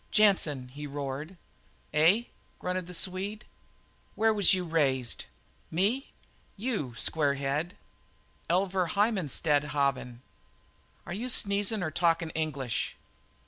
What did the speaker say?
"Jansen!" he roared. "Eh?" grunted the Swede. "Where was you raised?" "Me?" "You, square head." "Elvaruheimarstadhaven." "Are you sneezin' or talkin' English?"